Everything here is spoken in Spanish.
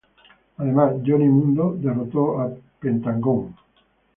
Además, Johnny Mundo derrotó a Pentagón Jr.